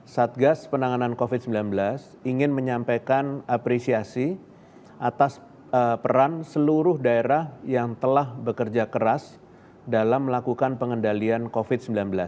satgas penanganan covid sembilan belas ingin menyampaikan apresiasi atas peran seluruh daerah yang telah bekerja keras dalam melakukan pengendalian covid sembilan belas